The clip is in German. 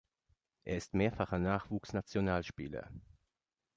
Er ist mehrfacher Nachwuchs-Nationalspieler.